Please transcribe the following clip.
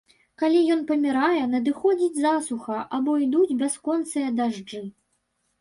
Калі ён памірае, надыходзіць засуха або ідуць бясконцыя дажджы.